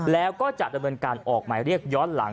แล้วก็จะดำเนินการออกหมายเรียกย้อนหลัง